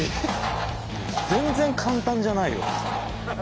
全然簡単じゃないよ。